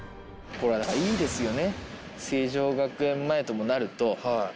いいですよね。